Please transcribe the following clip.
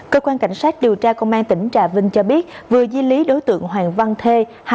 cơ quan cảnh sát điều tra công an tỉnh trà vinh cho biết vừa di lý đối tượng hoàng văn thê